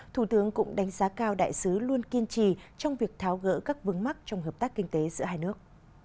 thủ tướng cũng đánh giá cao đại sứ luôn kiên trì trong việc tháo gỡ các vướng mắc trong hợp tác kinh tế giữa hai nước